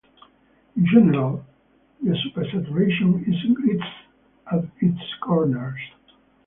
In general, the supersaturation is greatest at its corners.